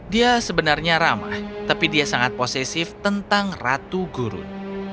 dia sebenarnya ramah tapi dia sangat posesif tentang ratu gurun